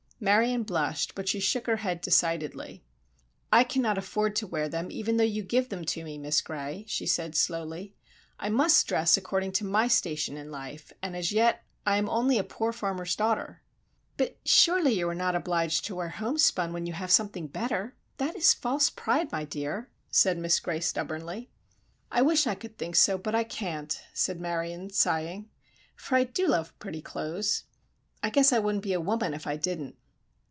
Marion blushed, but she shook her head decidedly. "I cannot afford to wear them even though you give them to me, Miss Gray," she said, slowly. "I must dress according to my station in life, and as yet I am only a poor farmer's daughter." "But surely you are not obliged to wear homespun when you have something better! That is false pride, my dear," said Miss Gray, stubbornly. "I wish I could think so, but I can't," said Marion, sighing; "for I do love pretty clothes. I guess I wouldn't be a woman if I didn't."